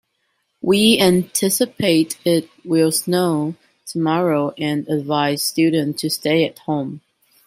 We anticipate it will snow tomorrow and advise students to stay at home.